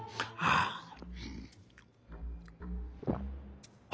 ああ。